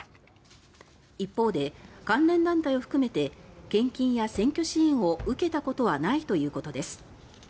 一方で、関連団体を含めて献金や選挙支援を受けたことはないということです。